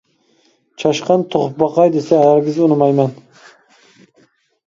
چاشقان تۇغۇپ باقاي دېسە، ھەرگىز ئۇنىمايمەن.